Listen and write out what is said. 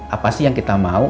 apa sih yang kita mau